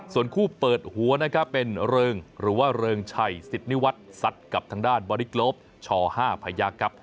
ส่วนคู่เปิดหัวนะครับเป็นเริงหรือว่าเริงชัยสิทธนิวัฒน์ซัดกับทางด้านบอลลิกโลปช๕พยักษ์ครับ